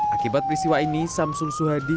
akibat peristiwa ini samsul suhadi